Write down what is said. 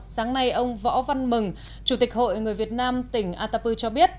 sáng nay ông võ văn mừng chủ tịch hội người việt nam tỉnh atapu cho biết